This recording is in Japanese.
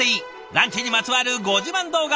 ランチにまつわるご自慢動画